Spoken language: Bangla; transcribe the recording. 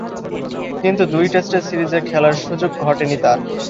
কিন্তু দুই-টেস্টের সিরিজে খেলার সুযোগ ঘটেনি তার।